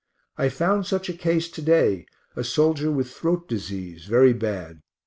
I found such a case to day, a soldier with throat disease, very bad.